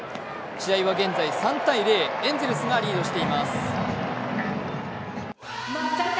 試合は現在３−０、エンゼルスがリードしています。